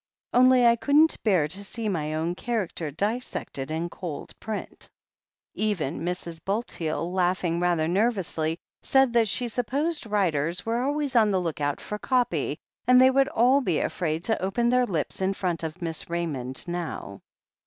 Only I couldn't bear to see my own char acter dissected in cold print." Even Mrs. Bulteel, laughing rather nervously, said that she supposed writers were always on the look out for copy, and they would all be afraid to open their lips in front of Miss Raymond now.